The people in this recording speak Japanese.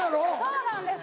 そうなんです。